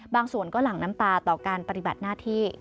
ส่วนก็หลั่งน้ำตาต่อการปฏิบัติหน้าที่